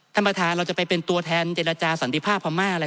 ท่านประธานเราจะไปเป็นตัวแทนเจรจาสันติภาพพม่าอะไร